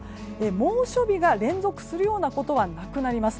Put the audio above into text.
猛暑日が連続するようなことはなくなります。